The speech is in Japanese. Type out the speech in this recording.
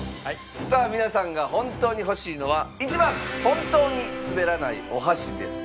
さあ皆さんが本当に欲しいのは１番ほんとうにすべらないお箸ですか？